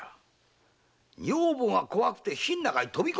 女房が怖くて火の中に飛び込めるか‼